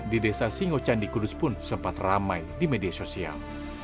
di desa singocandi kudus pun sempat ramai di media sosial